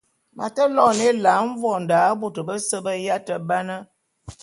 M’ate loene Ela mvondô a bôte bese be yate ba na.